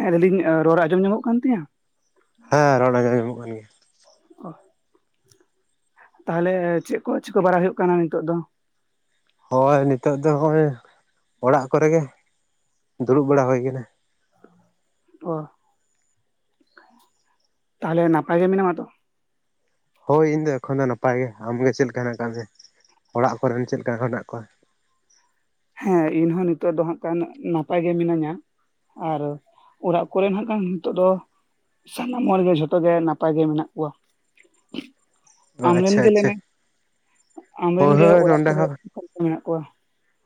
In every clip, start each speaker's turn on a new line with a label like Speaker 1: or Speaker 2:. Speaker 1: ᱦᱮᱸ ᱞᱟᱭ ᱫᱤᱧ ᱨᱚᱲ ᱟᱸᱡᱚᱢ ᱧᱟᱢᱚᱜ ᱠᱟᱱ ᱛᱤᱧᱟ?
Speaker 2: ᱦᱮᱸ ᱨᱚᱲ ᱟᱡᱚᱢᱜᱟ ᱧᱟᱢᱚᱜ ᱠᱟᱱ ᱜᱮᱭᱟ᱾
Speaker 1: ᱚ ᱛᱟᱦᱞᱮ ᱪᱮᱫ ᱠᱚ ᱪᱮᱠᱟ ᱠᱚ ᱵᱟᱲᱟᱭ ᱦᱩᱭᱩᱜ ᱠᱟᱱᱟ ᱱᱤᱛᱚᱜ ᱫᱚ?
Speaker 2: ᱦᱳᱭ ᱱᱤᱛᱚᱜ ᱫᱚ ᱱᱚᱜ-ᱚᱭ ᱚᱲᱟᱜ ᱠᱚᱨᱮ ᱜᱮ ᱫᱩᱲᱩᱵ ᱵᱟᱲᱟ ᱦᱩᱭᱟᱠᱟᱱᱟ᱾
Speaker 1: ᱚ ᱛᱟᱦᱚᱞᱮ ᱱᱟᱯᱟᱭ ᱜᱮ ᱢᱮᱱᱟᱢᱟᱛᱚ?
Speaker 2: ᱦᱳᱭ ᱤᱧ ᱫᱚ ᱮᱠᱷᱚᱱ ᱫᱚ ᱱᱟᱯᱟᱭ ᱜᱮ, ᱟᱢᱜᱮ ᱪᱮᱫ ᱞᱮᱠᱟ ᱦᱮᱱᱟᱜ ᱟᱠᱟᱫ ᱢᱮᱭᱟ ᱚᱲᱟᱜ ᱠᱚᱨᱮᱱ ᱪᱮᱫ ᱞᱮᱠᱟ ᱦᱮᱱᱟᱜ ᱠᱚᱣᱟ? [unintelligible]
Speaker 1: ᱦᱮᱸ ᱤᱧᱦᱚ ᱱᱤᱛᱚᱜ ᱫᱚ ᱦᱟᱜ ᱱᱟᱯᱟᱭ ᱜᱮ ᱢᱤᱱᱟᱹᱧᱟ᱾ ᱟᱨ ᱚᱲᱟᱜ ᱠᱚᱨᱮ ᱱᱟᱜ ᱱᱤᱛᱚᱜ ᱫᱚ ᱥᱟᱱᱟᱢ ᱦᱚᱲᱜᱮ ᱡᱷᱚᱛᱚ ᱜᱮ ᱱᱟᱯᱟᱭᱜ ᱜᱮ ᱢᱮᱱᱟᱜ ᱠᱚᱣᱟ᱾ ᱟᱢᱨᱮᱱ
Speaker 2: ᱟᱪᱪᱷᱟ
Speaker 1: ᱜᱮ
Speaker 2: ᱟᱪᱪᱷᱟ᱾
Speaker 1: ᱞᱟᱹᱭᱢᱮ ᱟᱢᱨᱮᱱ
Speaker 2: ᱦᱳᱭ
Speaker 1: ᱜᱮ
Speaker 2: ᱦᱳᱭ
Speaker 1: ᱚᱲᱟᱜ
Speaker 2: ᱱᱚᱰᱮ
Speaker 1: ᱠᱚᱨᱮ
Speaker 2: ᱦᱚᱸ
Speaker 1: ᱚᱠᱚ ᱞᱮᱠᱟ ᱢᱮᱱᱟᱜ ᱠᱚᱣᱟ?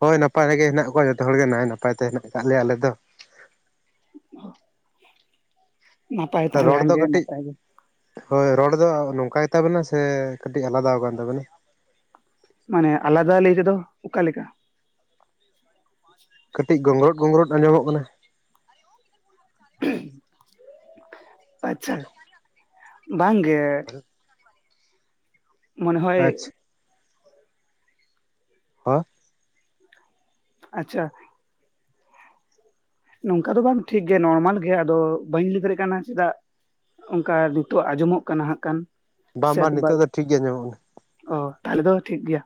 Speaker 2: ᱦᱳᱭ ᱱᱟᱯᱟᱭ ᱜᱮ ᱦᱮᱱᱟᱜ ᱠᱚᱣᱟ ᱡᱚᱛᱚ ᱦᱚᱲ ᱜᱮ ᱱᱟᱭ ᱱᱟᱯᱟᱭ ᱛᱮ ᱦᱮᱱᱟᱜ ᱟᱠᱟᱫ ᱞᱮᱭᱟ ᱟᱞᱮ ᱫᱚ,
Speaker 1: ᱱᱟᱯᱟᱭ ᱛᱟᱦᱚᱞᱮ
Speaker 2: ᱨᱚᱲ ᱫᱚ
Speaker 1: ᱟᱢᱜᱮ
Speaker 2: ᱠᱟᱹᱴᱤᱡ
Speaker 1: ᱱᱟᱯᱟᱭ ᱜᱮ
Speaker 2: ᱦᱳᱭ ᱨᱚᱲ ᱫᱚ ᱱᱚᱝᱠᱟ ᱜᱮᱛᱟᱵᱮᱱᱟ ᱥᱮ ᱠᱟᱹᱴᱤᱡ ᱟᱞᱟᱫᱟ ᱟᱠ ᱟᱱ ᱛᱟᱵᱮᱱᱟ?
Speaker 1: ᱢᱟᱱᱮ ᱟᱞᱟᱫᱟ ᱞᱟᱹᱭ ᱛᱮᱫᱚ ᱚᱠᱟᱮᱠᱟ?
Speaker 2: ᱠᱟᱹᱴᱤᱡ ᱜᱚᱝᱜᱨᱳᱫ ᱜᱚᱝᱨᱳᱫ ᱟᱸᱡᱚᱢᱚᱜ ᱠᱟᱱᱟ᱾
Speaker 1: ᱟᱪᱪᱷᱟ ᱵᱟᱝᱜᱮ, ᱢᱚᱱᱮ ᱦᱚᱭ
Speaker 2: ᱟᱪᱪᱷᱟ ᱦᱟ
Speaker 1: ᱟᱪᱪᱷᱟ, ᱱᱚᱝᱠᱟ ᱫᱚ ᱵᱟᱝ ᱴᱷᱤᱠ ᱜᱮ ᱱᱚᱨᱢᱟᱞ ᱜᱮ ᱟᱫᱚ ᱵᱟᱹᱧ ᱞᱟᱹᱭ ᱫᱟᱲᱮᱭᱟᱜ ᱠᱟᱱᱟ ᱪᱮᱫᱟᱜ? ᱚᱱᱠᱟ ᱱᱤᱛᱚᱜ ᱟᱸᱡᱚᱢᱚᱜ ᱠᱟᱱᱟ ᱦᱟᱸᱜ ᱠᱟᱱ,
Speaker 2: ᱵᱟᱝ ᱵᱟᱝ ᱱᱤᱛᱚᱜᱜ ᱫᱚ ᱴᱷᱤᱠ ᱜᱮ ᱧᱟᱢᱚᱜᱼᱟ᱾
Speaker 1: ᱚ ᱛᱟᱦᱞᱮ ᱫᱚ ᱴᱷᱤᱠ ᱜᱮᱭᱟ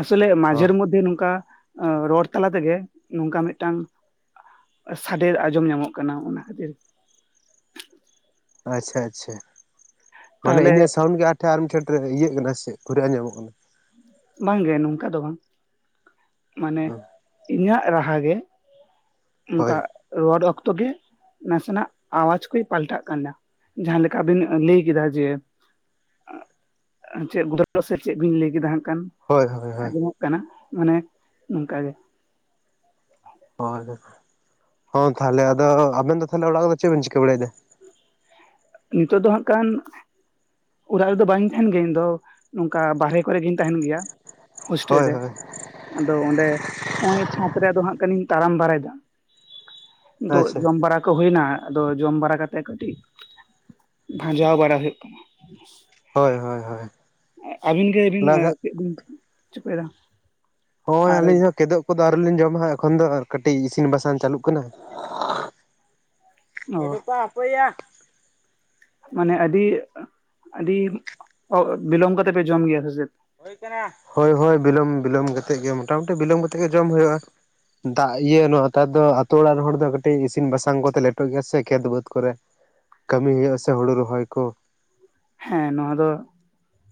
Speaker 1: ᱟᱥᱚᱞᱮ ᱢᱟᱡᱷᱮᱨ
Speaker 2: ᱦᱚᱸ
Speaker 1: ᱢᱚᱫᱽᱫᱷᱮ ᱱᱚᱝᱠᱟ ᱨᱚᱲ ᱛᱟᱞᱟ ᱛᱮᱜᱮ ᱱᱚᱝᱠᱟ ᱢᱤᱫᱴᱟᱝ ᱥᱟᱰᱮ ᱟᱸᱡᱚᱢ ᱧᱟᱢᱚᱜ ᱠᱟᱱᱟ ᱚᱱᱟ ᱠᱷᱟᱹᱛᱤᱨ,
Speaker 2: ᱟᱪᱪᱷᱟ ᱟᱪᱪᱷᱟ ᱢᱟᱱᱮ
Speaker 1: ᱛᱟᱦᱚᱞᱮ
Speaker 2: ᱤᱧᱟᱹᱜ ᱥᱟᱣᱩᱱᱰ ᱜᱮ ᱟ, ᱢᱤᱫ ᱪᱷᱚᱴ ᱨᱮ ᱤᱭᱟᱹᱜ ᱠᱟᱱᱟ ᱥᱮ ᱠᱷᱩᱨᱮ ᱟᱡᱚᱢᱚᱜ ᱠᱟᱱᱟ᱾
Speaker 1: ᱵᱟᱝᱜᱮ ᱱᱚᱝᱠᱟ ᱫᱚ ᱵᱟᱝ ᱢᱟᱱᱮ
Speaker 2: ᱠᱟᱱᱟ
Speaker 1: ᱤᱧᱟᱹᱜ ᱨᱟᱦᱟ
Speaker 2: ᱦᱳᱭ
Speaker 1: ᱚᱱᱠᱟ ᱨᱚᱲ ᱚᱠᱛᱚ ᱜᱮ ᱱᱟᱥᱮᱱᱟᱜ ᱟᱣᱟᱡ ᱠᱚ ᱯᱟᱞᱴᱟᱜ ᱠᱟᱱᱟ᱾ ᱡᱟᱦᱟᱸᱞᱮᱠᱟ ᱵᱤᱱ ᱞᱟᱹᱭ ᱠᱮᱫᱟ ᱡᱮ ᱪᱮᱫ [unintelligible] ᱥᱮ ᱪᱮᱫ ᱵᱤᱱ ᱞᱟᱹᱭ ᱠᱮᱫᱟ ᱦᱟᱸᱜ ᱠᱟᱱ?
Speaker 2: ᱦᱳᱭ ᱦᱳᱭ᱾ ᱦᱳᱭ
Speaker 1: ᱟᱸᱡᱚᱢᱚᱜ ᱠᱟᱱᱟ ᱢᱟᱱᱮ ᱱᱚᱝᱠᱟ ᱜᱮ,
Speaker 2: ᱦᱳᱭ ᱦᱚᱸ ᱛᱟᱦᱚᱞᱮ ᱟᱫᱚ ᱟᱵᱮᱱ ᱫᱚ ᱛᱟᱦᱚᱞᱮ ᱚᱲᱟᱜ ᱨᱮᱫᱚ ᱪᱮᱫ ᱵᱮᱱ ᱪᱤᱠᱟᱹ ᱵᱟᱲᱟᱭᱮᱫᱟ?
Speaker 1: ᱱᱤᱛᱚᱜ ᱫᱚ ᱦᱟᱸᱜ ᱠᱷᱟᱱ ᱚᱲᱟᱜ ᱨᱮᱫᱚ ᱵᱟᱹᱧ ᱛᱟᱦᱮᱱ ᱜᱮᱭᱟ ᱤᱧ ᱫᱚ, ᱱᱚᱝᱠᱟ ᱵᱟᱦᱨᱮ ᱠᱚᱨᱮ ᱜᱤᱧ ᱛᱟᱦᱮᱱ ᱜᱮᱭᱟ ᱦᱳᱥᱴᱮᱞ
Speaker 2: ᱦᱳᱭ
Speaker 1: ᱨᱮ᱾
Speaker 2: ᱦᱳᱭ
Speaker 1: ᱟᱫᱚ ᱚᱸᱰᱮ ᱱᱚᱜᱼᱚᱭ ᱪᱷᱟᱸᱫᱽ ᱨᱮ ᱫᱚ ᱦᱟᱸᱜ ᱠᱷᱟᱹᱤᱧ ᱛᱟᱲᱟᱢ ᱵᱟᱲᱟᱭᱮᱫᱟ᱾ ᱠᱤᱫᱩᱜ
Speaker 2: ᱟᱪᱪᱷᱟ
Speaker 1: ᱡᱚᱢ ᱵᱟᱲᱟ ᱠᱚ ᱦᱩᱭᱱᱟ ᱟᱫᱚ ᱡᱚᱢ ᱵᱟᱲᱟ ᱠᱟᱛᱮᱜ ᱠᱟᱹᱴᱤᱡ ᱵᱷᱟᱡᱟᱣ ᱵᱟᱲᱟ ᱦᱩᱭᱩᱜ ᱠᱟᱱᱟ᱾
Speaker 2: ᱦᱳᱭ ᱦᱳᱭ ᱦᱳᱭ,
Speaker 1: ᱟᱹᱵᱤᱱ ᱜᱮ
Speaker 2: ᱚᱱᱟᱫᱚ
Speaker 1: ᱪᱮᱫ ᱵᱤᱱ ᱪᱤᱠᱟᱹᱫᱟ?
Speaker 2: ᱦᱳᱭ ᱟᱹᱞᱤᱧ ᱦᱚᱸ ᱠᱮᱫᱚᱜ ᱠᱚᱫᱚ ᱟᱣᱨᱤ ᱞᱤᱧ ᱡᱚᱢᱟ ᱮᱠᱷᱚᱱ ᱫᱚ ᱠᱟᱹᱴᱤᱡ ᱤᱥᱤᱱ ᱵᱟᱥᱟᱝ ᱪᱟᱹᱞᱩᱜ ᱠᱟᱱᱟ᱾
Speaker 1: ᱚ
Speaker 2: ᱮᱰᱮᱯᱟ ᱦᱟᱯᱚᱣᱭᱟ᱾
Speaker 1: ᱢᱟᱱᱮ ᱟᱹᱰᱤ ᱟᱹᱰᱤ ᱵᱤᱞᱚᱢ ᱠᱟᱛᱮ ᱯᱮ ᱡᱚᱢ ᱜᱮᱭᱟ ᱥᱮᱪᱮᱫ?
Speaker 2: [unintelligible] ᱦᱳᱭ ᱦᱳᱭ ᱵᱤᱞᱚᱢ ᱵᱤᱞᱚᱢ ᱠᱟᱛᱮ ᱜᱮ ᱢᱳᱚᱴᱟᱢᱩᱴᱤ ᱵᱤᱞᱚᱢ ᱠᱟᱛᱮᱫ ᱜᱮ ᱡᱚᱢ ᱦᱩᱭᱩᱜ-ᱟ᱾ ᱫᱟᱜ ᱤᱭᱟᱹ ᱱᱚ ᱱᱮᱛᱟᱨ ᱫᱚ ᱟᱛᱳ ᱚᱲᱟᱜ ᱨᱮᱱ ᱦᱚᱲ ᱫᱚ ᱠᱟᱹᱴᱤᱡ ᱤᱥᱤᱱ ᱵᱟᱥᱟᱝ ᱠᱚᱛᱮ ᱞᱮᱴᱚᱜ ᱜᱮᱭᱟ ᱥᱮ ᱠᱷᱮᱛ ᱵᱟᱹᱫᱽ ᱠᱚᱨᱮ᱾ ᱠᱟᱹᱢᱤ ᱦᱩᱭᱩᱜ-ᱟ ᱥᱮ ᱦᱳᱲᱳ ᱨᱚᱦᱚᱭ ᱠᱚ,
Speaker 1: ᱦᱮᱸ ᱱᱚᱣᱟ ᱫᱚ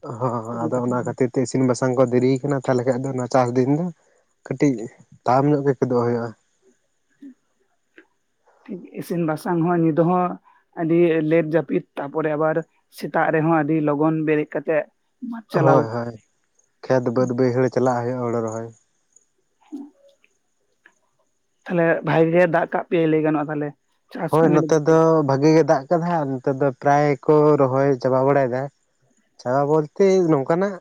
Speaker 2: ᱦᱚᱸ
Speaker 1: ᱥᱟᱹᱨᱤ
Speaker 2: ᱟᱫᱚ
Speaker 1: ᱠᱟᱛᱷᱟ
Speaker 2: ᱚᱱᱟ ᱠᱷᱟᱛᱤᱨ ᱤᱥᱤᱱ ᱵᱟᱥᱟᱝ ᱠᱚ ᱫᱮᱨᱤ ᱟᱠᱟᱱᱟ ᱛᱟᱦᱚᱞᱮ ᱠᱷᱟᱱ ᱫᱚ ᱱᱚᱣᱟ ᱪᱟᱥ ᱫᱤᱱ ᱫᱚ, ᱠᱟᱹᱴᱤᱡ ᱛᱟᱲᱟᱢ ᱧᱚᱜ ᱜᱮ ᱜᱮᱫᱚᱜ ᱦᱩᱭᱩᱜᱼᱟ᱾
Speaker 1: ᱴᱷᱤᱠ ᱤᱥᱤᱱ ᱵᱟᱥᱟᱝ ᱦᱚᱸ ᱧᱤᱫᱟᱹ ᱦᱚᱸ, ᱟᱹᱰᱤ ᱞᱮᱴ ᱡᱟᱹᱯᱤᱫ ᱛᱟᱨᱯᱚᱨᱮ ᱟᱵᱟᱨ ᱥᱮᱛᱟᱜ ᱨᱮᱦᱚᱸ ᱟᱹᱰᱤ ᱞᱚᱜᱚᱱ ᱵᱮᱨᱮᱫ ᱠᱟᱛᱮᱜ, ᱢᱟᱴ ᱪᱟᱞᱟᱣ
Speaker 2: ᱦᱳᱭ ᱦᱳᱭ ᱠᱷᱮᱛ ᱵᱟᱹᱫᱽ ᱵᱟᱹᱭᱦᱟᱹᱲ ᱪᱟᱞᱟᱜ ᱦᱩᱭᱩᱜᱼᱟ ᱦᱳᱲᱳ ᱨᱚᱦᱚᱭ᱾
Speaker 1: [inaudible] ᱛᱟᱦᱞᱮ ᱵᱷᱟᱜᱤ ᱜᱮ ᱫᱟᱜ ᱠᱟᱜ ᱯᱮ ᱞᱟᱹᱭ ᱜᱟᱱᱚᱜᱼᱟ ᱛᱟᱦᱚᱞᱮ᱾
Speaker 2: ᱦᱳᱭ ᱱᱚᱛᱮ ᱫᱚ ᱵᱷᱟᱜᱤ ᱜᱮ ᱫᱟᱜ ᱟᱠᱟᱫᱟ ᱱᱚᱛᱮ ᱫᱚ ᱯᱨᱟᱭ ᱠᱚ ᱨᱚᱦᱚᱭ ᱪᱟᱵᱟ ᱵᱟᱲᱟᱭᱮᱫᱟ᱾ ᱪᱟ ᱵᱚᱞᱛᱮ ᱱᱚᱝᱠᱟᱱᱟᱜ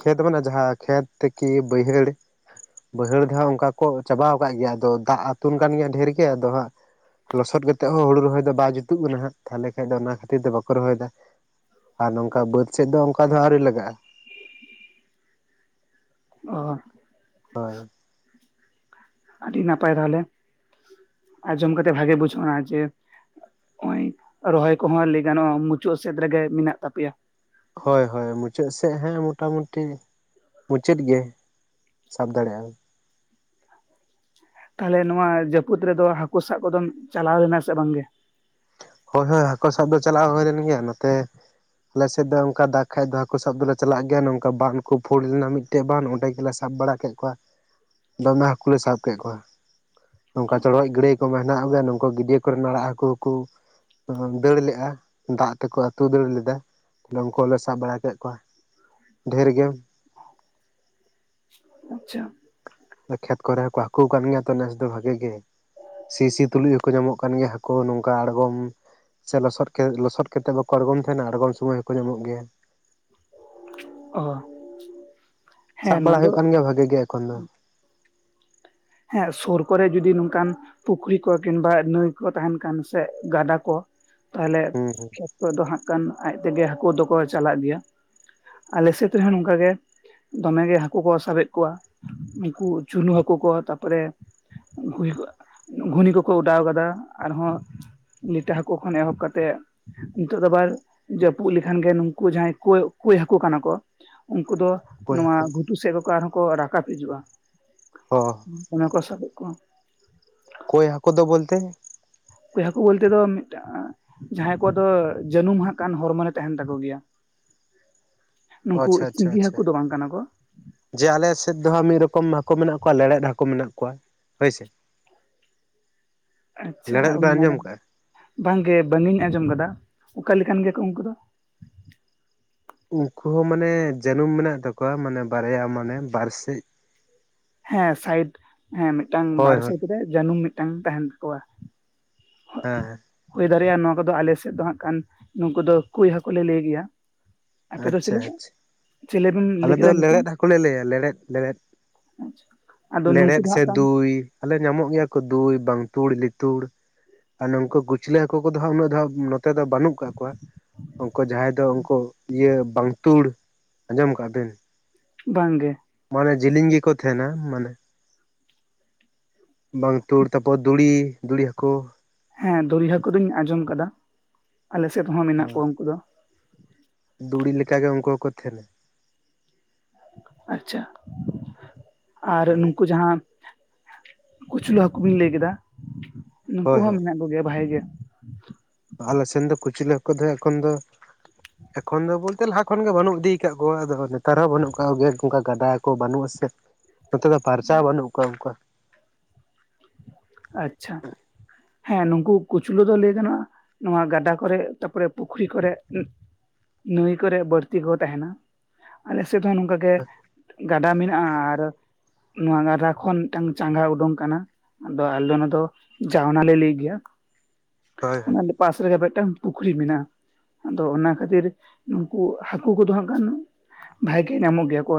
Speaker 2: ᱠᱷᱮᱛ ᱢᱟᱱᱮ ᱡᱟᱦᱟᱸ ᱠᱷᱮᱛ ᱛᱮᱠᱤ ᱵᱟᱹᱭᱦᱟᱹᱲ ᱵᱟᱹᱭᱦᱟᱹᱲ ᱫᱚᱦᱟᱸᱜ ᱚᱱᱠᱟ ᱠᱚ ᱪᱟᱵᱟᱣ ᱟᱠᱟᱫ ᱜᱮᱭᱟ᱾ ᱟᱫᱚ ᱫᱟᱜ ᱟᱛᱩᱱ ᱠᱟᱱ ᱜᱮᱭᱟ ᱰᱷᱮᱨ ᱜᱮ, ᱟᱫᱚ ᱦᱟᱸᱜ ᱞᱚᱥᱚᱫ ᱜᱮᱛᱮ ᱦᱚᱸ ᱦᱩᱲᱩ ᱨᱚᱦᱚᱭ ᱫᱚ ᱵᱟᱝ ᱡᱩᱛᱩᱜ ᱠᱟᱱᱟ ᱦᱟᱸᱜ᱾ ᱛᱟᱦᱚᱞᱮ ᱠᱷᱟᱱ ᱫᱚ ᱚᱱᱟ ᱠᱷᱟᱹᱛᱤᱨ ᱫᱚ ᱵᱟᱠᱚ ᱨᱚᱦᱚᱭᱮᱫᱟ᱾ ᱟᱨ ᱱᱚᱝᱠᱟ ᱵᱟᱹᱫ ᱥᱮᱫ ᱫᱚ ᱚᱱᱠᱟ ᱫᱚ ᱟᱹᱣᱨᱤ ᱞᱟᱜᱟᱜᱼᱟ᱾
Speaker 1: ᱚ
Speaker 2: ᱦᱳᱭ
Speaker 1: ᱟᱹᱰᱤ ᱱᱟᱯᱟᱭ ᱛᱟᱦᱚᱞᱮ ᱟᱸᱡᱚᱢ ᱠᱟᱛᱮ ᱵᱷᱟᱜᱮ ᱵᱩᱡᱷᱟᱹᱣᱱᱟ ᱡᱮ ᱚᱜ ᱚᱭ ᱨᱚᱦᱚᱭ ᱠᱚᱦᱚᱸ ᱞᱟᱹᱭ ᱜᱟᱱᱚᱜᱼᱟ ᱢᱩᱪᱟᱹᱫ ᱥᱮᱫ ᱨᱮᱜᱮ ᱢᱮᱱᱟᱜ ᱛᱟᱯᱮᱭᱟ᱾
Speaker 2: ᱦᱳᱭ ᱦᱳᱭ ᱢᱩᱪᱟᱹᱫ ᱥᱮᱫ ᱦᱟᱸᱜ ᱢᱚᱴᱟ ᱢᱩᱩᱴᱤ ᱢᱩᱪᱟᱹᱫ ᱜᱮ᱾ ᱥᱟᱵ ᱫᱟᱲᱮᱭᱟᱜᱼᱟᱢ,
Speaker 1: ᱛᱟᱦᱚᱞᱮ ᱱᱚᱣᱟ ᱡᱟᱹᱯᱩᱫ ᱨᱮᱫᱚ ᱦᱟᱹᱠᱩ ᱥᱟᱵ ᱠᱚᱫᱚᱢ ᱪᱟᱞᱟᱣ ᱞᱮᱱᱟ ᱥᱮ ᱵᱟᱝᱜᱮ?
Speaker 2: ᱦᱳᱭ ᱦᱳᱭ ᱦᱟᱹᱠᱩ ᱥᱟᱵ ᱫᱚ ᱪᱟᱞᱟᱣ ᱦᱩᱭᱱ ᱜᱮᱭᱟ᱾ ᱱᱚᱛᱮ ᱟᱞᱮᱥᱮᱫ ᱫᱚ ᱚᱱᱠᱟ ᱫᱟᱜᱽ ᱠᱷᱟᱡ ᱫᱚ ᱦᱟᱹᱠᱩ ᱥᱟᱵ ᱫᱚᱞᱮ ᱪᱟᱞᱟᱜ ᱜᱮᱭᱟ᱾ ᱱᱚᱝᱠᱟ ᱵᱟᱫᱠᱩ ᱯᱷᱩᱲ ᱞᱮᱱᱟ ᱢᱤᱫ ᱢᱤᱫᱴᱮᱡ ᱵᱟᱱᱫ ᱚᱸᱰᱮ ᱜᱮᱞᱮ ᱥᱟᱵ ᱵᱟᱲᱟ ᱠᱮᱫ ᱠᱚᱣᱟ, ᱫᱚᱢᱮ ᱦᱟᱹᱠᱩ ᱞᱮ ᱥᱟᱵ ᱠᱮᱫ ᱠᱚᱣᱟ᱾ ᱱᱚᱝᱠᱟ ᱪᱚᱲᱚᱡᱽ ᱜᱟᱹᱰᱭᱟᱹ ᱠᱚ ᱢᱮᱱᱟᱜ ᱛᱟᱞᱮᱭᱟ ᱱᱚᱝᱠᱩ ᱜᱟᱹᱰᱭᱟᱹ ᱠᱚᱨᱮᱱ ᱟᱲᱟᱜ ᱦᱟᱹᱠᱩ᱾ ᱠᱩ ᱫᱟᱹᱲ ᱞᱮᱜᱼᱟ, ᱫᱟᱜ ᱛᱮᱠᱚ ᱟᱹᱛᱩ ᱫᱟᱹᱲ ᱞᱮᱫᱟ᱾ ᱩᱱᱠᱩ ᱞᱮ ᱥᱟᱵ ᱵᱟᱲᱟ ᱠᱮᱫ ᱠᱚᱣᱟ᱾ ᱰᱷᱮᱨ ᱜᱮᱢ
Speaker 1: ᱟᱪᱪᱷᱟ
Speaker 2: ᱠᱷᱮᱛ ᱠᱚᱨᱮ ᱦᱚᱸᱠᱚ ᱦᱟᱹᱠᱩ ᱠᱟᱱ ᱜᱮᱭᱟ ᱛᱚ ᱱᱮᱥ ᱫᱚ ᱵᱷᱟᱜᱤ ᱜᱮ᱾ ᱥᱤ ᱥᱤ ᱛᱩᱞᱩᱡ ᱦᱚᱸᱠᱚ ᱧᱟᱢᱚᱜ ᱠᱟᱱ ᱜᱮᱭᱟ ᱦᱟᱹᱠᱩ ᱱᱚᱝᱠᱟ ᱟᱬᱜᱚᱢ ᱥᱮ ᱞᱚᱥᱚᱫ ᱠᱷᱮᱛ ᱞᱚᱥᱚᱫ ᱠᱷᱮᱛ ᱛᱮᱫ ᱵᱟᱠᱚ ᱟᱲᱜᱚᱢ ᱛᱟᱦᱮᱸᱱᱟ ᱟᱲᱜᱚᱢ ᱥᱳᱢᱚᱭ ᱦᱚᱸᱠᱚ ᱧᱟᱢᱚᱜ ᱜᱮᱭᱟ᱾
Speaker 1: ᱚ
Speaker 2: ᱥᱟᱵ
Speaker 1: ᱦᱮᱸ ᱱᱚᱣᱟ
Speaker 2: ᱵᱟᱲᱟ
Speaker 1: ᱫᱚ
Speaker 2: ᱦᱩᱭᱩᱜ ᱠᱟᱱ ᱜᱮᱭᱟ ᱵᱷᱟᱜᱤ ᱜᱮ ᱮᱠᱷᱚᱱ ᱫᱚ᱾
Speaker 1: ᱦᱮᱸ ᱥᱩᱨ ᱠᱚᱨᱮ ᱡᱚᱫᱤ ᱱᱚᱝᱠᱟᱱ ᱯᱩᱠᱷᱨᱤ ᱠᱚ ᱠᱤᱢᱵᱟ ᱱᱟᱹᱭ ᱠᱚ ᱛᱟᱦᱮᱸᱱ ᱠᱷᱟᱱ ᱥᱮ ᱜᱟᱰᱟ ᱠᱚ ᱛᱟᱦᱞᱮ
Speaker 2: ᱦᱩᱸ ᱦᱩᱸ
Speaker 1: ᱠᱷᱮᱛ ᱠᱚᱫᱚ ᱦᱟᱸᱜ ᱠᱷᱟᱱ ᱟᱡ ᱛᱮᱜᱮ ᱦᱟᱹᱠᱩ ᱫᱚᱠᱚ ᱪᱟᱞᱟᱜ ᱜᱮᱭᱟ᱾ ᱟᱞᱮ ᱥᱮᱫ ᱨᱮᱦᱚᱸ ᱱᱚᱝᱠᱟ ᱜᱮ, ᱫᱚᱢᱮᱜᱮ ᱦᱟᱹᱠᱩ ᱠᱚ ᱥᱟᱵᱮᱫ ᱠᱚᱣᱟ᱾ ᱩᱱᱠᱩ ᱪᱩᱱᱩ ᱦᱟᱠᱩ ᱠᱚ ᱛᱟ ᱯᱚᱨᱮ ᱜᱷᱩᱱᱤ ᱠᱚ ᱜᱷᱩᱱᱤ ᱠᱚᱠᱚ ᱚᱰᱟᱣ ᱠᱟᱫᱟ ᱟᱨᱦᱚᱸ ᱞᱤᱴᱟᱹ ᱦᱟᱹᱠᱩ ᱠᱷᱚᱱ ᱮᱦᱚᱵ ᱠᱟᱛᱮᱜ ᱱᱤᱛᱚᱜ ᱟᱵᱟᱨ ᱡᱟᱹᱯᱩᱫ ᱞᱮᱠᱷᱟᱱ ᱜᱮ ᱱᱩᱠᱩ ᱡᱟᱦᱟᱸᱭ ᱠᱳᱭ ᱠᱳᱭ ᱦᱟᱹᱠᱩ ᱠᱟᱱᱟ ᱠᱚ ᱩᱱᱠᱩ ᱫᱚ
Speaker 2: ᱚᱠᱚᱭ
Speaker 1: ᱱᱚᱣᱟ ᱜᱷᱩᱴᱩ ᱥᱮᱫ ᱨᱮᱠᱚ ᱟᱨᱦᱚᱸ ᱠᱚ ᱨᱟᱠᱟᱵ ᱦᱤᱡᱩᱜᱼᱟ᱾
Speaker 2: ᱦᱚᱸ
Speaker 1: ᱢᱚᱱᱮ ᱠᱚ ᱥᱟᱵᱮᱫ ᱠᱚᱣᱟ,
Speaker 2: ᱠᱳᱭ ᱦᱟᱹᱠᱩ ᱫᱚ ᱵᱚᱞᱛᱮ?
Speaker 1: ᱠᱳᱭ ᱦᱟᱹᱠᱩ ᱵᱚᱞᱛᱮ ᱫᱚ ᱡᱟᱦᱟᱸᱭ ᱠᱚᱣᱟᱜ ᱫᱚ ᱡᱟᱹᱱᱩᱢ ᱦᱟᱸᱜ ᱠᱷᱟᱱ ᱦᱚᱲᱢᱚᱨᱮ ᱛᱟᱦᱮᱸᱱ ᱛᱟᱠᱚ ᱜᱮᱭᱟ᱾
Speaker 2: ᱚ
Speaker 1: ᱱᱩᱠᱩ
Speaker 2: ᱟᱪᱪᱷᱟ ᱟᱪᱪᱷᱟ
Speaker 1: ᱥᱤᱸᱜᱤ
Speaker 2: ᱟᱪᱪᱷᱟ
Speaker 1: ᱦᱟᱹᱠᱩ ᱫᱚ ᱵᱟᱝ ᱠᱟᱱᱟ ᱠᱚ᱾
Speaker 2: ᱡᱮ ᱟᱞᱮ ᱥᱮᱫ ᱫᱚ ᱦᱟᱸᱜ ᱢᱤᱫ ᱨᱚᱠᱚᱢ ᱦᱟᱹᱠᱩ ᱢᱮᱱᱟᱜ ᱠᱚᱣᱟ ᱞᱮᱲᱮᱫ ᱦᱟᱹᱠᱩ ᱢᱮᱱᱟᱜ ᱠᱚᱣᱟ ᱦᱳᱭ ᱥᱮ᱾
Speaker 1: ᱟᱪᱪᱷᱟ
Speaker 2: ᱞᱮᱲᱮᱫ ᱵᱮᱱ
Speaker 1: ᱢᱟᱱᱮ
Speaker 2: ᱟᱸᱡᱚᱢ ᱠᱟᱜᱼᱟ
Speaker 1: ᱵᱟᱝᱜᱮ ᱵᱟᱝ ᱤᱧ ᱟᱸᱡᱚᱢ ᱟᱠᱟᱫᱟ᱾ ᱚᱠᱟ ᱞᱮᱠᱟᱱ ᱜᱮᱭᱟ ᱠᱚ ᱩᱱᱠᱩ ᱫᱚ?
Speaker 2: ᱩᱱᱠᱩ ᱦᱚᱸ ᱢᱟᱱᱮ ᱡᱟᱹᱱᱩᱢ ᱢᱮᱱᱟᱜ ᱛᱟᱠᱚᱣᱟ ᱢᱟᱱᱮ ᱵᱟᱨᱭᱟ ᱢᱟᱱᱮ ᱵᱟᱨᱥᱮᱫ᱾
Speaker 1: ᱦᱮᱸ ᱥᱟᱭᱤᱴ ᱦᱮᱸ ᱢᱤᱫᱴᱟᱝ
Speaker 2: ᱦᱳᱭ
Speaker 1: ᱵᱟᱨ
Speaker 2: ᱦᱳᱭ
Speaker 1: ᱥᱟᱭᱤᱴ ᱨᱮ ᱡᱟᱹᱱᱩᱢ ᱢᱤᱫᱴᱟᱝ ᱛᱟᱦᱮᱸᱱ ᱛᱟᱠᱚᱣᱟ᱾
Speaker 2: ᱦᱮᱸ ᱦᱮᱸ
Speaker 1: ᱦᱩᱭ ᱫᱟᱲᱮᱭᱟᱜᱼᱟ, ᱱᱚᱣᱟ ᱠᱚᱫᱚ ᱟᱞᱮ ᱥᱮᱫ ᱫᱚ ᱦᱟᱸᱜ ᱠᱷᱟᱱ ᱱᱩᱠᱩ ᱫᱚ ᱠᱩᱭ ᱦᱟᱹᱠᱩ ᱞᱮ ᱞᱟᱹᱭ ᱜᱮᱭᱟ᱾ ᱟᱯᱮ ᱫᱚ
Speaker 2: ᱟᱪᱪᱷᱟ
Speaker 1: ᱪᱤᱞᱤ ᱠᱚ
Speaker 2: ᱟᱪᱪᱷᱟ
Speaker 1: ᱪᱮᱞᱮ ᱵᱮᱱ ᱞᱟᱹᱭ
Speaker 2: ᱟᱞᱮᱫ
Speaker 1: ᱠᱮᱫᱟ
Speaker 2: ᱫᱚ
Speaker 1: ᱧᱩᱛᱩᱢ?
Speaker 2: ᱞᱮᱲᱮᱫ ᱦᱟᱹᱠᱩ ᱞᱮ ᱞᱟᱹᱭᱟ ᱞᱮᱲᱮᱫ ᱞᱮᱲᱮᱫ᱾
Speaker 1: ᱟᱪᱪᱷᱟ ᱟᱫᱚ ᱱᱩᱝᱠᱩ
Speaker 2: ᱞᱮᱲᱮᱫ
Speaker 1: ᱫᱚ
Speaker 2: ᱥᱮ
Speaker 1: ᱦᱟᱸᱜ ᱠᱷᱟᱱ
Speaker 2: ᱫᱩᱭ ᱟᱞᱮ ᱧᱟᱢᱚᱜ ᱜᱮᱭᱟ ᱠᱚ ᱫᱩᱭ ᱵᱟᱝᱛᱩᱲ ᱞᱤᱛᱩᱲ᱾ ᱟᱨ ᱱᱚᱝᱠᱩ ᱠᱩᱪᱞᱟᱹ ᱦᱟᱹᱠᱩ ᱠᱚᱫᱚ ᱦᱟᱸᱜ ᱩᱱᱟᱹᱜ ᱫᱚ ᱦᱟᱸᱜ ᱱᱚᱛ ᱱᱚᱛᱮ ᱫᱚ ᱵᱟᱹᱱᱩᱜ ᱟᱠᱟᱜ ᱠᱚᱣᱟ, ᱩᱱᱠᱩ ᱡᱟᱦᱟᱸᱭ ᱫᱚ ᱩᱱᱠᱩ ᱤᱭᱟᱹ ᱵᱟᱝᱛᱩᱲ᱾ ᱟᱸᱡᱚᱢ ᱠᱟᱜ ᱵᱤᱱ
Speaker 1: ᱵᱟᱝ ᱜᱮ,
Speaker 2: ᱢᱟᱱᱮ ᱡᱮᱞᱮᱧ ᱜᱮᱠᱚ ᱛᱟᱦᱮᱱᱟ ᱢᱟᱱᱮ, ᱵᱟᱝ ᱛᱩᱲ ᱛᱟᱯᱚᱨ ᱫᱩᱲᱤ ᱫᱩᱲᱤ ᱦᱟᱹᱠᱩ
Speaker 1: ᱦᱮᱸ ᱫᱩᱨᱤ ᱦᱟᱠᱩᱹ ᱠᱚᱫᱚᱧ ᱟᱸᱡᱚᱢ ᱟᱠᱟᱫᱟ ᱟᱞᱮ ᱥᱮᱫ ᱦᱚᱸ ᱢᱮᱱᱟᱜ ᱠᱚᱣᱟ ᱩᱱᱠᱩ ᱫᱚ,
Speaker 2: ᱫᱩᱲᱤ ᱞᱮᱠᱟ ᱜᱮ ᱩᱱᱠᱩ ᱦᱚᱠᱚ ᱛᱷᱮᱞᱮ
Speaker 1: ᱟᱪᱪᱷᱟ ᱟᱨ
Speaker 2: ᱦᱳᱭ
Speaker 1: ᱱᱩᱠᱩ ᱡᱟᱸᱦᱟ ᱠᱩᱪᱞᱟᱹ ᱦᱟᱹᱠᱩ ᱵᱤᱱ ᱞᱟᱹᱭ ᱠᱮᱫᱟ ᱱᱩᱠᱩ ᱦᱚᱸ ᱠᱩ
Speaker 2: ᱦᱳᱭ
Speaker 1: ᱦᱚᱸ
Speaker 2: ᱦᱳᱭ
Speaker 1: ᱢᱮᱱᱟᱜ ᱠᱚᱜᱮᱭᱟ ᱵᱷᱟᱦᱮ ᱜᱮ,
Speaker 2: ᱟᱞᱮ ᱥᱮᱱ ᱫᱚ ᱠᱩᱪᱤᱞᱮ ᱦᱟᱸᱠᱩ ᱫᱚ ᱮᱠᱷᱚᱱ ᱫᱚ, ᱮᱠᱷᱚᱱ ᱫᱚ ᱵᱚᱞᱛᱮ ᱞᱟᱦᱟ ᱠᱷᱚᱱ ᱜᱮ ᱵᱟᱹᱱᱩᱜ ᱤᱫᱤ ᱟᱠᱟᱫ ᱠᱚᱣᱟ ᱟᱫᱚ ᱱᱮᱛᱟᱨ ᱦᱚᱸ ᱵᱟᱹᱱᱩᱜᱟᱜ ᱠᱚᱱᱠᱟ ᱜᱟᱰᱟ ᱠᱚ ᱵᱟᱹᱱᱩᱜ ᱟᱥᱮ,
Speaker 1: [inaudible]
Speaker 2: ᱱᱚᱛᱮ ᱫᱚ ᱯᱷᱟᱨᱪᱟ ᱵᱟᱹᱱᱩᱜ ᱠᱚᱣᱟ ᱚᱱᱠᱟ,
Speaker 1: ᱟᱪᱪᱷᱟ ᱦᱮᱸ ᱱᱩᱝᱠᱩ ᱠᱩᱪᱞᱩ ᱫᱚ ᱞᱟᱹᱭ ᱜᱟᱱᱚᱜᱼᱟ ᱱᱚᱣᱟ ᱜᱟᱰᱟ ᱠᱚᱨᱮᱜ ᱛᱟᱨᱯᱚᱨᱮ ᱯᱩᱠᱷᱨᱤ ᱠᱚᱨᱮᱜ, ᱱᱟᱹᱭ ᱠᱚᱨᱮ ᱵᱟᱹᱲᱛᱤ ᱠᱚ ᱛᱟᱦᱮᱱᱟ ᱟᱞᱮ ᱥᱮᱫ ᱦᱚᱸ ᱱᱚᱝᱠᱟᱜᱮ ᱜᱟᱰᱟ ᱢᱮᱱᱟᱜᱼᱟ ᱟᱨ ᱱᱚᱣᱟ ᱠᱷᱚᱱ ᱠᱷᱚᱱ ᱢᱤᱫᱴᱟᱝ ᱪᱟᱸᱜᱟ ᱩᱰᱩᱝ ᱟᱠᱟᱱᱟ, ᱟᱫᱚ ᱟᱞᱮ ᱚᱱᱟ ᱫᱚ ᱡᱟᱣᱱᱟᱜ ᱞᱮ ᱞᱟᱹᱭ ᱜᱮᱭᱟ
Speaker 2: ᱦᱳᱭ ᱦᱳᱭ
Speaker 1: ᱚᱱᱟ ᱯᱟᱥ ᱨᱮᱜᱮ ᱢᱤᱫᱴᱟᱝ ᱯᱩᱠᱷᱨᱤ ᱢᱮᱱᱟᱜᱼᱟ, ᱟᱫᱚ ᱚᱱᱟ ᱠᱷᱟᱹᱛᱤᱨ ᱱᱩᱠᱩ ᱦᱟᱹᱠᱩ ᱠᱚᱫᱚ ᱦᱟᱸᱜ ᱠᱷᱟᱱ ᱵᱷᱟᱜᱮ ᱧᱟᱢᱚᱠ ᱜᱮᱭᱟ ᱠᱚ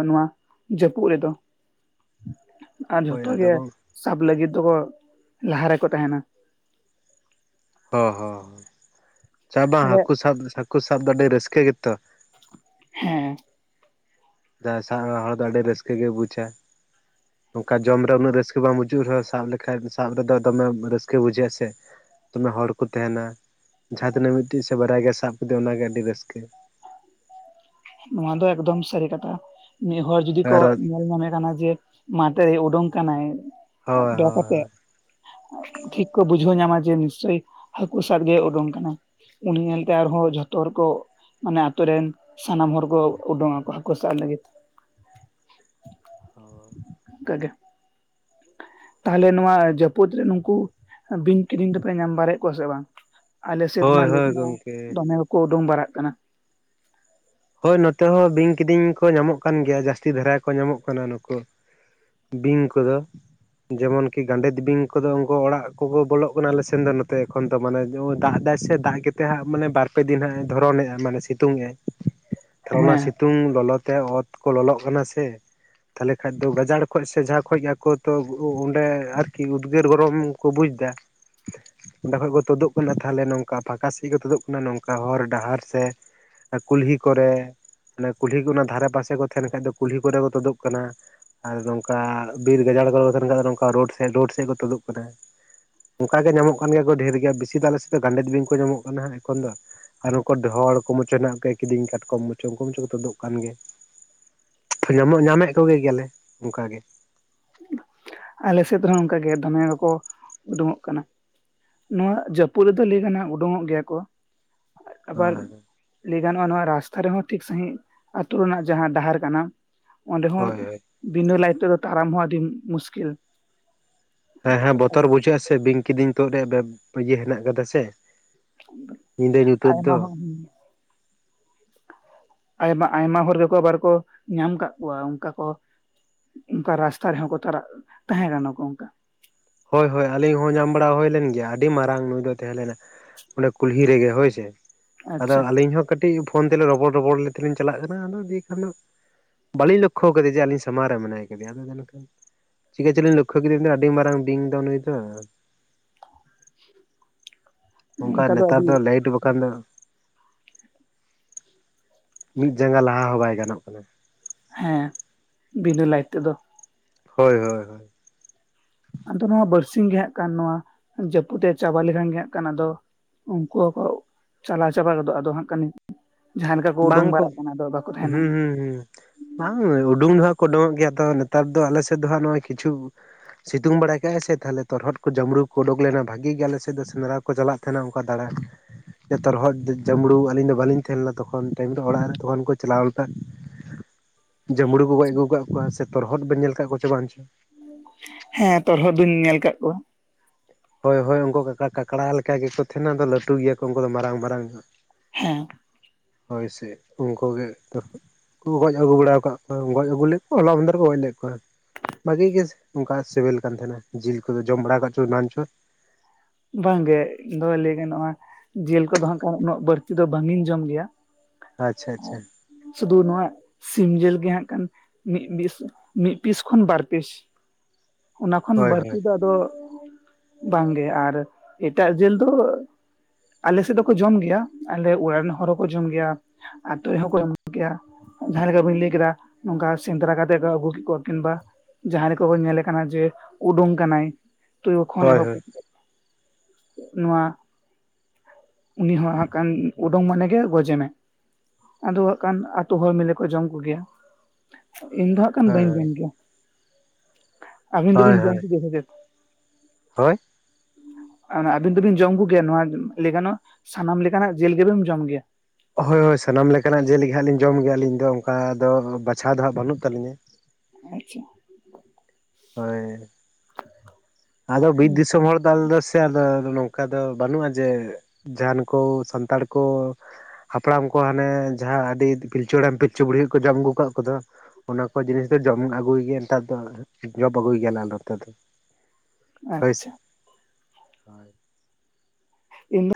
Speaker 1: ᱡᱟ. ᱯᱩᱫ ᱨᱮᱫᱚ ᱟᱨ
Speaker 2: ᱦᱳᱭ
Speaker 1: ᱡᱷᱚᱛᱚ
Speaker 2: ᱟᱫᱚ
Speaker 1: ᱜᱮ
Speaker 2: ᱵᱟᱝ
Speaker 1: ᱥᱟᱵ ᱞᱟᱹᱜᱤᱫ ᱫᱚᱠᱚ ᱞᱟᱦᱟ ᱨᱮᱠᱚ ᱛᱟᱦᱮᱱᱟ
Speaker 2: ᱚ ᱦᱚᱸ ᱪᱟ ᱵᱟᱝ
Speaker 1: ᱛᱟᱦᱞᱮ
Speaker 2: ᱦᱟᱹᱠᱩ ᱥᱟᱵ ᱦᱟᱹᱠᱩ ᱥᱟᱵ ᱫᱚ ᱟᱹᱰᱤ ᱨᱟᱹᱥᱠᱟᱹ ᱜᱮᱛᱚ
Speaker 1: ᱦᱮᱸ
Speaker 2: ᱡᱟᱦᱟᱸ ᱥᱟᱵ ᱦᱚᱲ ᱫᱚ ᱟᱹᱰᱤ ᱨᱟᱹᱥᱠᱟᱹ ᱜᱮ ᱵᱩᱡᱟ
Speaker 1: ᱦᱮᱸ
Speaker 2: ᱱᱚᱝᱠᱟ ᱡᱚᱢᱨᱮ ᱩᱱᱟᱹᱜ ᱨᱟᱹᱥᱠᱟᱹ ᱵᱟ ᱵᱩᱡᱩᱜ ᱨᱮᱦᱚᱸ ᱥᱟᱵ ᱞᱮᱠᱷᱟᱱᱡ ᱥᱟᱵ ᱨᱮᱫᱚ ᱫᱚᱠᱢᱮ ᱨᱟᱹᱥᱠᱟᱹ ᱵᱩᱡᱷᱟᱹᱜᱼᱟ ᱥᱮ ᱫᱚᱢᱮ ᱦᱚᱲ ᱠᱚ ᱛᱟᱦᱮᱱᱟ ᱡᱟᱦᱟᱸ ᱛᱤᱱᱟᱹᱜ ᱢᱤᱫᱴᱤᱡ ᱥᱮ ᱵᱟᱨᱟᱭ ᱜᱮ ᱥᱟᱵ ᱠᱮᱫᱮᱭᱟ ᱚᱱᱟᱜᱮ ᱟᱹᱰᱤ ᱨᱟᱹᱥᱠᱟᱹ
Speaker 1: ᱱᱚᱣᱟ ᱫᱚ ᱮᱠᱫᱚᱢ ᱥᱟᱹᱨᱤ ᱠᱟᱛᱷᱟ ᱢᱤᱫ ᱦᱚᱲᱚᱲ ᱡᱩᱫᱤ ᱠᱚ
Speaker 2: ᱟᱨ ᱦᱳᱭ
Speaker 1: ᱧᱮᱞ ᱧᱟᱢᱮ ᱠᱟᱱᱟ ᱡᱮ ᱢᱟᱴᱮ ᱩᱰᱩᱝ ᱠᱟᱱᱟᱭ
Speaker 2: ᱦᱳᱭ
Speaker 1: ᱵᱮᱦ ᱟᱛᱮ ᱴᱷᱤᱠ ᱠᱚ ᱵᱩᱡᱷᱟᱹᱣ ᱧᱟᱢᱟ ᱡᱮ ᱱᱤᱥᱪᱳᱭ ᱦᱟᱹᱠᱩ ᱥᱟᱵ ᱜᱮ ᱩᱰᱩᱠ ᱟᱠᱟᱱᱟ, ᱩᱱᱤ ᱧᱮᱞᱛᱮ ᱟᱨᱦᱚᱸ ᱡᱷᱚᱛᱚ ᱦᱚᱲᱠᱚ ᱢᱟᱱᱮ ᱟᱛᱳ ᱨᱮᱱ ᱥᱟᱱᱟᱢ ᱦᱚᱲ ᱠᱚ ᱩᱰᱩᱝ ᱟᱠᱚ ᱦᱟᱹᱠᱩ ᱥᱟᱵ ᱞᱟᱹᱜᱤᱫ
Speaker 2: ᱦ
Speaker 1: ᱚᱱᱠᱟ ᱜᱤ ᱛᱟᱦᱚᱞᱮ ᱱᱚᱣᱟ ᱡᱟᱹᱯᱩᱫ ᱨᱮ ᱱᱩᱠᱩ ᱵᱤᱧ ᱠᱤᱫᱤᱧ ᱫᱚ ᱯᱮ ᱧᱟᱢ ᱠᱤᱫᱤᱧ ᱫᱚᱯᱮ ᱵᱟᱲᱟ ᱠᱚᱣᱟ ᱥᱮ ᱵᱟᱝ ᱟᱞᱮ ᱥᱮᱫ ᱢᱟ
Speaker 2: ᱦᱳᱭ
Speaker 1: ᱞᱤᱠ
Speaker 2: ᱦᱳᱭ
Speaker 1: ᱢᱟ
Speaker 2: ᱜᱚᱢᱠᱮ
Speaker 1: ᱫᱚᱢᱮ ᱠᱚᱠᱚ ᱩᱰᱩᱝ ᱵᱟᱲᱟᱜ ᱠᱟᱱᱟ,
Speaker 2: ᱦᱳᱭ ᱱᱚᱛᱮ ᱦᱚᱸ ᱵᱤᱧ ᱠᱤᱫᱤᱧ ᱠᱚ ᱧᱟᱢᱚᱜ ᱠᱟᱱ ᱜᱮᱭᱟ ᱡᱟᱹᱥᱛᱤ ᱫᱷᱟᱨᱟ ᱠᱚ ᱧᱟᱢᱚᱜ ᱠᱟᱱᱟ ᱱᱩᱠᱩ ᱵᱤᱧ ᱠᱚᱫᱚ ᱡᱮᱢᱚᱱ ᱠᱤ ᱜᱟᱸᱰᱮᱛ ᱵᱤᱧ ᱠᱚᱫᱚ ᱩᱱᱠᱩ ᱚᱲᱟᱜ ᱠᱚᱠᱚ ᱵᱚᱞᱚᱜ ᱠᱟᱱᱟ ᱟᱞᱮᱥᱱ ᱫᱚ ᱱᱚᱛᱮ ᱮᱠᱷᱚᱱ ᱫᱚ ᱢᱟᱱᱮ ᱫᱟᱜ ᱮᱟᱭ ᱥᱮ ᱫᱟᱜ ᱠᱟᱛᱮᱫ ᱦᱜ ᱢᱟᱱᱮ ᱵᱟᱨ ᱯᱮ ᱫᱤᱱ ᱦᱟᱸᱜ ᱮ ᱫᱷᱚᱨᱚᱱᱮᱜᱟᱭ ᱢᱟᱱᱮ ᱥᱤᱛᱩᱝ ᱮᱼᱟᱭ ᱛᱟᱦᱞᱮ ᱚᱱᱟ
Speaker 1: ᱦᱮᱸ
Speaker 2: ᱥᱤᱛᱩᱝ ᱞᱚᱞᱚ ᱛᱮ ᱚᱛ ᱠᱚ ᱞᱚᱞᱚᱜ ᱠᱟᱱᱟ ᱥᱮ ᱛᱟᱦᱚᱞᱮ ᱠᱷᱟᱱ ᱫᱚ ᱜᱟᱡᱟᱲ ᱠᱷᱚᱡ ᱥᱮ ᱡᱟᱦᱟᱸ ᱠᱷᱚᱡ ᱟᱠᱚ ᱛᱚ ᱚᱸᱰᱮ ᱟᱨᱠᱤ ᱩᱫᱽᱜᱟᱹᱨ ᱜᱚᱨᱚᱢ ᱠᱚ ᱵᱩᱡᱽ ᱮᱫᱟ ᱚᱸᱰᱮ ᱠᱷᱚᱡ ᱠᱚ ᱛᱩᱫᱩᱜ ᱠᱟᱱᱟ ᱛᱟᱦᱮ ᱱᱚᱝᱠᱟ ᱯᱷᱟᱸᱠᱟ ᱥᱮᱫ ᱠᱚ ᱛᱩᱫᱩᱜ ᱠᱟᱱᱟ ᱱᱚᱝᱠᱟ ᱦᱚᱨ ᱰᱟᱦᱟᱨ ᱥᱮ, ᱠᱩᱞᱦᱤ ᱠᱚᱨᱮ ᱢᱮ ᱠᱩᱞᱦᱤ ᱠᱚ ᱚᱱᱟ ᱫᱷᱟᱨᱮ ᱯᱟᱥᱮ ᱠᱚ ᱛᱟᱦᱮᱱ ᱠᱷᱟᱡ ᱫᱚ ᱠᱩᱞᱦᱤ ᱠᱚᱨᱮ ᱠᱚ ᱛᱳᱫᱳᱜ ᱠᱟᱱᱟ ᱟᱨ ᱱᱚᱝᱠᱟ ᱵᱤᱨ ᱜᱟᱡᱟᱲ ᱠᱚᱨᱮ ᱛᱟᱦᱮᱱ ᱠᱷᱟᱱ ᱫᱚ ᱱᱚᱝᱠᱟ ᱨᱳᱰ ᱥᱮᱫ ᱨᱳᱰ ᱥᱮᱫ ᱠᱚ ᱛᱩᱫᱩᱜ ᱠᱟᱱᱟ ᱚᱱᱠᱟ ᱜᱮ ᱧᱟᱢᱚᱜ ᱠᱟᱱ ᱜᱮᱭᱟ ᱠᱚ ᱰᱷᱮᱨ ᱜᱮᱭᱟ ᱵᱮᱥᱤ ᱫᱚ ᱟᱞᱮᱥᱮᱫ ᱫᱚ ᱜᱟᱸᱰᱮᱛ ᱵᱤᱧ ᱠᱚ ᱧᱟᱢᱚᱜ ᱠᱟᱱᱟ ᱦᱟᱸᱜ ᱮᱠᱷᱚᱱ ᱫᱚ ᱟᱨ ᱩᱱᱠᱩ ᱰᱚᱲ ᱠᱚ ᱢᱚᱪᱚ ᱢᱮᱱᱟᱜᱮᱱᱟᱜ ᱠᱚᱮᱭᱟ ᱠᱤᱫᱤᱧ ᱠᱟᱴᱠᱚᱢ ᱢᱩᱪᱚ ᱩᱱᱠᱩ ᱢᱩᱪᱚ ᱠᱚ ᱛᱩᱫᱚᱜ ᱠᱟᱱ ᱜᱮᱭᱟ ᱧᱟᱢᱚᱜ ᱧᱟᱢᱮᱫ ᱠᱚᱜᱮ ᱜᱮᱭᱟᱞᱮ ᱚᱱᱠᱟ ᱜᱮ
Speaker 1: ᱟᱞᱮ ᱥᱮᱫᱦᱚᱸ ᱚᱱᱠᱟᱜᱮ ᱫᱚᱢᱮ ᱜᱮᱠᱚ ᱩᱰᱩᱠᱚᱜ ᱠᱟᱱᱟ᱾ ᱱᱚᱣᱟ ᱡᱟᱹᱯᱩᱫ ᱨᱮᱫᱚ ᱞᱟᱹᱭ ᱠᱟᱱᱟ ᱩᱰᱩᱠᱚᱜ ᱜᱮᱭᱟ ᱠᱚ ᱟᱵᱟᱨ᱾
Speaker 2: ᱦᱳᱭ
Speaker 1: ᱞᱟᱹᱭ ᱜᱟᱱᱚᱜᱼᱟ ᱱᱚᱣᱟ ᱨᱟᱥᱛᱟ ᱨᱮᱦᱚᱸ ᱴᱷᱤᱠ ᱥᱟᱹᱦᱤᱡ ᱟᱹᱛᱩ ᱨᱮᱱᱟᱜ ᱡᱟᱦᱟᱸ ᱰᱟᱦᱟᱨ ᱠᱟᱱᱟ᱾ ᱚᱸᱰᱮ ᱦᱚᱸ
Speaker 2: ᱦᱳᱭ ᱦᱳᱭ
Speaker 1: ᱵᱤᱱᱟ ᱞᱟᱭᱤᱴ ᱛᱮ ᱫᱚ ᱛᱟᱲᱟᱢ ᱦᱚᱸ ᱟᱹᱰᱤ ᱢᱩᱥᱠᱤᱞ
Speaker 2: ᱦᱮᱸ ᱦᱮᱸ ᱵᱚᱛᱚᱨ ᱵᱩᱡᱷᱟᱹᱜ ᱟ ᱥᱮ ᱵᱤᱝ ᱠᱤᱫᱤᱧ ᱛᱫ ᱨᱮᱭᱟᱜ ᱤᱭᱟᱹ ᱦᱮᱱᱟᱜ ᱟᱠᱟᱫᱟ ᱥᱮ᱾ ᱧᱤᱫᱟᱹ ᱧᱩᱛᱟᱹᱛ
Speaker 1: ᱟᱭᱢᱟ
Speaker 2: ᱫᱚ
Speaker 1: ᱦᱚᱸ ᱦᱮᱸ᱾ ᱟᱭᱢᱟ ᱟᱭᱢᱟ ᱦᱚᱲ ᱜᱮᱠᱚ ᱟᱵᱟᱨ ᱠᱚ ᱧᱟᱢ ᱠᱟᱜ ᱠᱚᱣᱟ ᱚᱱᱠᱟ ᱠᱚ᱾ ᱚᱱᱠᱟ ᱨᱟᱥᱛᱟ ᱨᱮᱦᱚᱸ ᱠᱚ ᱛᱟᱨᱟᱜ ᱛᱟᱦᱮᱸ ᱠᱟᱱᱟ ᱠᱚ ᱚᱱᱠᱟ᱾
Speaker 2: ᱦᱳᱭ ᱦᱳᱭ ᱟᱹᱞᱤᱧ ᱦᱚᱸ ᱧᱟᱢ ᱵᱟᱲᱟ ᱦᱩᱭ ᱞᱮᱱ ᱜᱮᱭᱟ ᱟᱹᱰᱤ ᱢᱟᱨᱟᱝ ᱱᱩᱭ ᱫᱚ ᱛᱟᱦᱮᱸ ᱞᱮᱱᱟ᱾ ᱚᱸᱰᱮ ᱠᱩᱞᱦᱤ ᱨᱮᱜᱮ ᱦᱳᱭᱥᱮ ᱟᱫᱚ
Speaker 1: ᱟᱪᱪᱷᱟ
Speaker 2: ᱟᱹᱞᱤᱧ ᱦᱚᱸ᱾ ᱠᱟᱹᱴᱤᱡ ᱯᱷᱳᱱ ᱛᱮᱞᱮ ᱨᱚᱯᱚᱲ ᱨᱚᱯᱚᱲ ᱛᱮᱞᱤᱧ ᱪᱟᱞᱟᱜ ᱠᱟᱱᱟ ᱟᱫᱚ ᱫᱤᱭᱮ ᱠᱷᱟᱱ ᱫᱚ᱾ ᱵᱟᱞᱤᱧ ᱞᱚᱠᱠᱷᱚ ᱟᱠᱟᱫᱮ ᱡᱮ ᱟᱞᱤᱧ ᱥᱟᱢᱟᱝ ᱨᱮ ᱢᱮᱱᱟᱭᱫᱮᱭᱟ ᱟᱫᱚ᱾ ᱪᱤᱠᱟᱹ ᱪᱚᱞᱤᱧ ᱞᱳᱠᱷ ᱠᱮᱫ ᱟᱹᱰᱤ ᱢᱟᱨᱟᱝ᱾ ᱵᱤᱧ ᱫᱚ ᱱᱩᱭ ᱫᱚ᱾ ᱚᱝᱠᱟ
Speaker 1: ᱚᱱᱠᱟ
Speaker 2: ᱱᱮᱛᱟᱨ
Speaker 1: ᱟᱹᱰᱤ
Speaker 2: ᱫᱚ ᱞᱟᱭᱤᱴ ᱵᱟᱠᱷᱟᱱ ᱫᱚ᱾ ᱢᱤᱫ ᱡᱟᱸᱜᱟ ᱞᱟᱦᱟ ᱦᱚᱸ ᱵᱟᱭ ᱜᱟᱱᱚᱜ ᱠᱟᱱᱟ᱾
Speaker 1: ᱦᱮᱸ ᱵᱤᱱᱟ ᱞᱟᱭᱤᱴ ᱛᱮᱫᱚ᱾
Speaker 2: ᱦᱳᱭ ᱦᱳᱭ ᱦᱳᱭ᱾
Speaker 1: ᱟᱫᱚ ᱱᱚᱣᱟ ᱵᱟᱨᱥᱤᱧ ᱜᱮᱸᱟᱜ ᱱᱚᱣᱟ ᱡᱟᱹᱯᱩᱫ ᱪᱟᱵᱟ ᱞᱮᱠᱷᱟᱱ ᱜᱮᱸ ᱟᱫᱚ᱾ ᱩᱱᱠᱩ ᱦᱚᱸᱠᱩ ᱪᱟᱞᱟᱣ ᱪᱟᱵᱟ ᱜᱚᱫᱚᱜ ᱟᱫᱚ ᱦᱟᱸᱜ ᱠᱟᱹᱱᱤ ᱡᱟᱦᱟᱸᱞᱮ ᱞᱮᱠᱟ ᱠᱚ ᱩᱰᱩᱠ ᱵᱟᱲᱟᱜ ᱠᱟᱱᱟ ᱫᱚ ᱵᱟᱠᱚ ᱛᱟᱦᱮᱱᱟ᱾
Speaker 2: ᱦᱩᱸ ᱦᱩᱸ ᱦᱩᱸ ᱵᱟᱝ ᱩᱰᱩᱝ ᱫᱚ ᱦᱟᱸᱜ ᱠᱚ ᱩᱰᱩᱠᱚᱜ ᱜᱮᱭᱟ ᱛᱚ ᱱᱮᱛᱟᱨ ᱫᱚ ᱟᱞᱮ ᱥᱮᱫ ᱫᱚᱜ ᱱᱚᱜ ᱠᱤᱪᱷᱩ ᱥᱤᱛᱩᱝ ᱵᱟᱲᱟᱭ ᱠᱟᱜᱟᱭ ᱥᱮ ᱛᱟᱦᱮᱚᱨᱚᱫ ᱠᱚ ᱡᱟᱸᱵᱽᱲᱩ ᱠᱚ ᱩᱰᱩᱠ ᱞᱮᱱᱟ ᱵᱷᱟᱜᱤ ᱜᱮ ᱟᱞᱮ ᱥᱮᱫ ᱫᱚ ᱥᱮᱸᱫᱽᱨᱟ ᱠᱚ ᱪᱟᱞᱟᱜ ᱛᱟᱦᱮᱱᱟ ᱚᱱᱠᱟ ᱫᱟᱲᱟ ᱛᱚᱨᱦᱚᱫ ᱡᱟᱹᱵᱽᱲᱩ ᱟᱹᱞᱤᱧ ᱫᱚ ᱵᱟᱞᱤᱧ ᱛᱟᱦᱮᱸ ᱞᱮᱱᱟ ᱛᱚᱠᱷᱚᱱ ᱛᱚᱠᱷᱚᱱ ᱩᱱ ᱴᱟᱭᱤᱢ ᱨᱮ ᱚᱲᱟᱜ ᱨᱮ ᱛᱚᱠᱷᱚᱱ ᱠᱚ ᱪᱟᱞᱟᱣ ᱞᱮᱫᱟ ᱡᱟᱹᱢᱲᱩ ᱠᱚ ᱜᱚᱡ ᱟᱹᱜᱩ ᱟᱠᱟᱫ ᱠᱚᱣᱟ ᱥᱮ ᱛᱚᱨᱦᱚᱫ ᱵᱚᱱ ᱧᱮᱞ ᱟᱠᱟᱫ ᱠᱚᱣᱟᱮ ᱵᱟᱝ ᱪᱚ?
Speaker 1: ᱦᱮᱸ ᱛᱚᱨᱦᱚᱫ ᱫᱩᱧ ᱧᱮᱞ ᱟᱠᱟᱫ ᱠᱚᱣᱟ᱾
Speaker 2: ᱦᱳᱭ ᱦᱳᱭ ᱩᱱᱠᱩ ᱠᱟᱠᱲᱟ ᱞᱮᱠᱟ ᱜᱮᱠᱚ ᱛᱟᱦᱮᱱᱟ ᱟᱫᱚ ᱞᱟᱹᱴᱩ ᱜᱮᱭᱟᱠᱚ ᱩᱱᱠᱩ ᱫᱚ ᱢᱟᱨᱟᱝ ᱢᱟᱨᱟᱝ᱾
Speaker 1: ᱦᱮᱸ᱾
Speaker 2: ᱦᱳᱭ ᱥᱮ ᱩᱱᱠᱩ ᱜᱮ ᱛᱚᱨᱦᱚᱫ ᱩᱝᱠᱚ ᱜᱚᱡ ᱟᱹᱜᱩ ᱵᱟᱲᱟ ᱟᱠᱟᱫ ᱠᱚᱣᱟ ᱜᱚᱡ ᱟᱹᱜᱩ ᱞᱮᱫ ᱠᱚᱣᱟ ᱦᱚᱞᱟ ᱢᱟᱸᱫᱷᱮ ᱠᱚ ᱜᱚᱡ ᱞᱮᱫ ᱠᱚᱣᱟ᱾ ᱵᱷᱟᱜᱤ ᱜᱮ ᱚᱱᱠᱟ ᱥᱤᱵᱮᱞ ᱠᱟᱱ ᱛᱟᱦᱮᱱᱟ ᱡᱤᱞ ᱠᱚᱫᱚ ᱡᱚᱢ ᱵᱟᱲᱟ ᱟᱠᱟᱫ ᱪᱚ ᱵᱟᱝ ᱪᱚ?
Speaker 1: ᱵᱟᱝᱜᱮ ᱤᱧ ᱫᱚ ᱞᱟᱹᱭ ᱜᱚᱜᱼᱟ ᱡᱮᱞ ᱠᱚᱫᱚ ᱦᱟᱱᱟᱜ ᱩᱱᱟᱹᱜ ᱵᱟᱹᱲᱛᱤ ᱫᱚ ᱵᱟᱝ ᱤᱧ ᱡᱚᱢ ᱜᱮᱭᱟ᱾
Speaker 2: ᱟᱪᱪᱷᱟ ᱟᱪᱪᱷᱟ᱾
Speaker 1: ᱥᱩᱫᱷᱩ ᱱᱚᱣᱟ ᱥᱤᱢ ᱡᱤᱞ ᱜᱮ ᱦᱟᱜ ᱠᱟᱱ ᱢᱤᱫᱤᱥ ᱢᱤᱫ ᱯᱤᱥ ᱠᱷᱚᱱ ᱵᱟᱨ ᱯᱤᱥ ᱚᱱᱟ ᱠᱷᱚᱱ
Speaker 2: ᱦᱳᱭ
Speaker 1: ᱵᱟᱹᱲᱛᱤ
Speaker 2: ᱦᱳᱭ
Speaker 1: ᱫᱚ ᱟᱫᱚ ᱵᱟᱝᱜᱮ ᱟᱨ᱾ ᱮᱴᱟᱜ ᱡᱮᱞ ᱫᱚ᱾ ᱟᱞᱮ ᱥᱮᱫ ᱫᱚᱠᱚ ᱡᱚᱢ ᱜᱮᱭᱟ ᱟᱞᱮ ᱚᱲᱟᱜ ᱨᱮᱱ ᱦᱚᱲ ᱦᱚᱸᱠᱚ ᱡᱚᱢ ᱜᱮᱭᱟ ᱟ ᱟᱹᱛᱩ ᱨᱮᱦᱚᱸ ᱠᱚ ᱮᱢᱚᱜ ᱜᱮᱭᱟ᱾ ᱡᱟᱦᱟᱸ ᱞᱮᱠᱟ ᱵᱟᱹᱧ ᱞᱟᱹᱭ ᱠᱮᱫᱟ ᱱᱚᱝᱠᱟ ᱥᱮᱸᱫᱽᱨᱟ ᱠᱟᱛᱮᱫ ᱠᱚ ᱟᱹᱜᱩ ᱠᱮᱫ ᱠᱚᱣᱟ ᱠᱤᱝᱵᱟ᱾ ᱡᱟᱦᱟᱸᱭ ᱠᱚᱵᱚᱱ ᱧᱮᱞᱮ ᱠᱟᱱᱟ ᱡᱮ ᱩᱰᱩᱝ ᱠᱟᱱᱟᱭ ᱛᱚᱣᱚ ᱠᱷᱚᱱ
Speaker 2: ᱦᱳᱭ
Speaker 1: ᱮᱦᱚᱵ
Speaker 2: ᱦᱳᱭ
Speaker 1: ᱠᱟᱛᱮ᱾ ᱱᱚᱣᱟ ᱩᱱᱤ ᱦᱚᱸ ᱦᱟᱸᱠᱟᱱ ᱩᱰᱩᱝ ᱢᱟᱱᱮᱜᱮ ᱜᱚᱡᱮ ᱢᱮ᱾ ᱟᱫᱚ ᱦᱟᱸᱜ ᱠᱷᱟᱱ ᱟᱛᱩ ᱦᱚᱲ ᱢᱤᱞᱮ ᱠᱚ ᱡᱚᱢ ᱠᱚᱜᱮᱭᱟ ᱤᱧ ᱫᱚ ᱦᱟᱸᱜ᱾ ᱠᱟᱱ ᱵᱟᱹᱤᱱ
Speaker 2: ᱦᱳᱭ
Speaker 1: ᱡᱚᱢ ᱠᱮᱭᱟ ᱟᱹᱵᱤᱱ
Speaker 2: ᱦᱳᱭ
Speaker 1: ᱫᱚᱵᱤᱱ ᱡᱚᱢ
Speaker 2: ᱦᱳᱭ
Speaker 1: ᱠᱮᱫᱭᱟ ᱥᱮ ᱪᱮᱫ?
Speaker 2: ᱦᱳᱭ᱾
Speaker 1: ᱚᱱᱟ ᱟᱵᱤᱱ ᱫᱚᱵᱤᱱ ᱡᱚᱢ ᱠᱚᱜᱮᱭᱟ ᱱᱚᱣᱟ ᱞᱮᱭ ᱜᱟᱱᱚᱜᱼᱟ ᱥᱟᱱᱟᱢ ᱞᱮᱠᱟᱱᱟᱜ ᱡᱮᱞ ᱜᱮᱵᱮᱢ ᱡᱚᱢ ᱜᱮᱭᱟ
Speaker 2: ᱦᱳᱭ ᱦᱳᱭ ᱥᱟᱱᱟᱢ ᱞᱮᱠᱟᱱᱟᱜ ᱡᱮᱞ ᱦᱟᱸᱜ ᱞᱤᱧ ᱡᱚᱢ ᱜᱤᱭᱟ ᱟᱞᱤᱧ ᱫᱚ ᱚᱝᱠᱟ ᱫᱚ ᱵᱟᱪᱷᱟᱣ ᱫᱚ ᱦᱟᱸᱜ ᱵᱟᱹᱱᱩᱜ ᱛᱟᱹᱞᱤᱧᱟ᱾
Speaker 1: ᱟᱪᱪᱷᱟ
Speaker 2: ᱦᱳᱭ ᱟᱫᱚ ᱵᱤᱨ ᱫᱤᱥᱚᱢ ᱦᱚᱲ ᱫᱚ ᱟᱞᱮ ᱥᱮ ᱥᱮ ᱟᱫᱚ ᱱᱚᱝᱠᱟ ᱫᱚ ᱵᱟᱹᱱᱩᱜᱼᱟ ᱡᱮ ᱡᱟᱦᱟᱱ ᱠᱚ ᱥᱟᱱᱛᱟᱲ ᱠᱚ ᱦᱟᱯᱲᱟᱢ ᱠᱚ ᱦᱟᱱᱮ ᱡᱟᱦᱟᱸ ᱟᱹᱰᱤ ᱯᱤᱞᱪᱩ ᱦᱟᱲᱟᱢ ᱯᱤᱞᱪᱩ ᱵᱩᱲᱦᱤ ᱠᱚ ᱡᱚᱢ ᱟᱹᱜᱩ ᱠᱟᱜ ᱠᱚᱫᱚ ᱚᱱᱟ ᱠᱚ ᱡᱤᱱᱤᱥ ᱫᱚ ᱡᱚᱢ ᱟᱹᱜᱩᱭ ᱜᱮᱭᱟ ᱱᱮᱛᱟᱨ ᱫᱚ ᱡᱚᱵ ᱟᱹᱜᱩᱭ ᱜᱮᱭᱟᱞᱮ ᱟᱞᱮ ᱱᱚᱸᱛᱮ ᱫᱚ ᱦᱳᱭ ᱥᱮ
Speaker 1: ᱟᱪᱪᱷᱟ
Speaker 2: ᱦᱳᱭ
Speaker 1: [unintelligible]